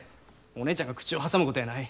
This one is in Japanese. お姉ちゃんが口を挟むことやない。